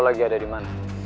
lo lagi ada dimana